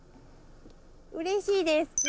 うれしいです。